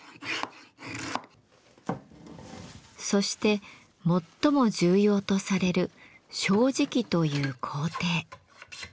そして最も重要とされる「正直」という工程。